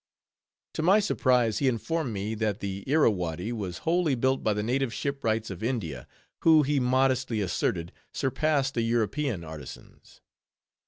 _ To my surprise, he informed me that the Irrawaddy was wholly built by the native shipwrights of India, who, he modestly asserted, surpassed the European artisans.